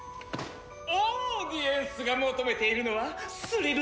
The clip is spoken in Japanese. オーディエンスが求めているのはスリルと刺激！